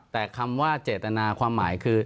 แต่คำว่าเจตนาความหมายคือ